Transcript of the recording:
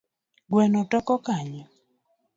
Gweno toko kanye?